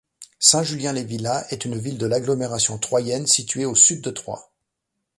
Saint-Julien-les-Villas est une ville de l'agglomération troyenne située au sud de Troyes.